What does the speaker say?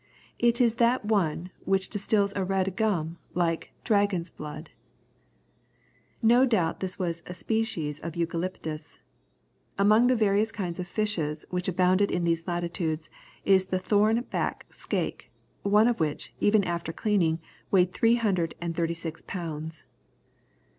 It is that one which distils a red gum like 'Dragon's blood.'" No doubt this was a species of Eucalyptus. Among the various kinds of fishes which abound in these latitudes is the thorn back skate, one of which, even after cleaning, weighed three hundred and thirty six pounds.